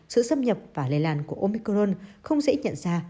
sự xâm nhập và lây lan của omicron không dễ nhận ra